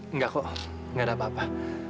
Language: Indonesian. enggak kok enggak ada apa apa